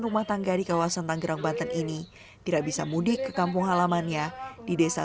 rumah tangga di kawasan tanggerang banten ini tidak bisa mudik ke kampung halamannya di desa